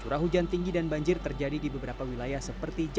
curah hujan tinggi dan banjir terjadi di beberapa wilayah seperti jawa